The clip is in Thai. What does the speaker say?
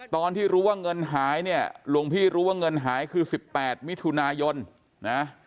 ตอนที่รู้ว่าเงินหายเนี่ยหลวงพี่รู้ว่าเงินหายคือ๑๘มิถุนายนนะ